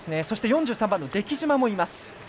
そして、４３番の出来島もいます。